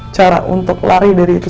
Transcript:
cara untuk lari dari itu